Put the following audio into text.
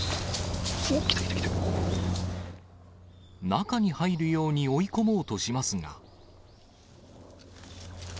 中に入るように追い込もうとしますが。